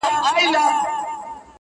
د نامحرمو دلالانو غدۍ-